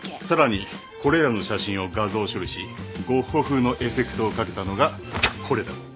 さらにこれらの写真を画像処理しゴッホ風のエフェクトをかけたのがこれだ。